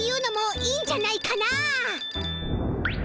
いいんじゃないかな。